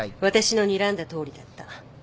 私のにらんだとおりだった。